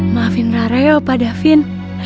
maafin rara ya opa davin